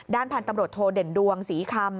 พันธุ์ตำรวจโทเด่นดวงศรีคำ